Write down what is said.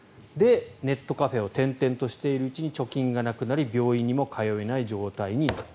ネットカフェを転々としているうちに貯金がなくなり病院にも通えない状態になった。